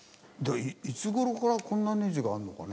いつ頃からこんなネジがあるのかね？